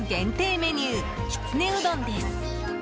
メニューきつねうどんです。